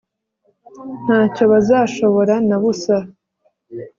nta cyo bazashobora na busa